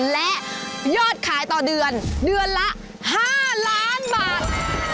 และยอดขายต่อเดือนเดือนละ๕ล้านบาท